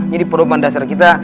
jadi perubahan dasar kita